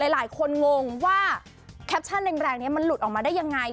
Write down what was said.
หลายคนงงว่าแคปชั่นแรงนี้มันหลุดออกมาได้ยังไง